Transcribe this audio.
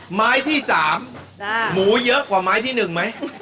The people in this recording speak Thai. หมายที่สามหมูเยอะกว่าหมายที่หนึ่งไหม